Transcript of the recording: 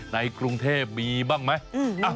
ในกรุงเทพมีบ้างไหม